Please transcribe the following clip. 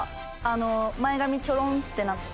あの前髪ちょろんってなって。